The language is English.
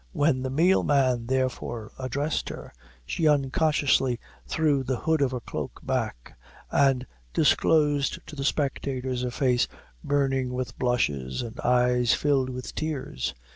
When the meal man, therefore, addressed her, she unconsciously threw the hood of her cloak back, and disclosed to the spectators a face burning with blushes and eyes filled with tears.